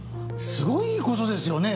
すごいいいことですよね